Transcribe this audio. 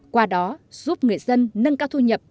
qua đó giúp người dân nâng cao thu nhập